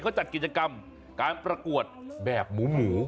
เขาจัดกิจกรรมการประกวดแบบหมู